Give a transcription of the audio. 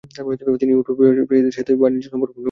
তিনি ইউরোপীয় ব্যবসায়ীদের সাথে বাণিজ্যিক সম্পর্ক উন্নয়ন করেন।